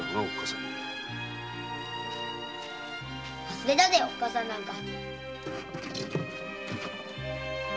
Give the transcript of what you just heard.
忘れたぜおっかさんなんか。